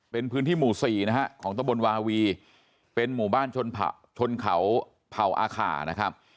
เป็นพื้นที่หมู่๔นะฮะของตะบนวาวีเป็นหมู่บ้านชนเขาเผ่าอาขานะครับ